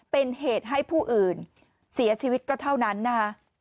เป็นเหตุให้ผู้อื่นเสียชีวิตก็เท่านั้นนะคะ